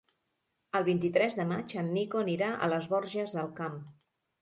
El vint-i-tres de maig en Nico anirà a les Borges del Camp.